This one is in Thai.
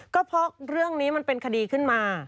ก็เพราะเรื่องนี้มันเป็นคดีขึ้นมา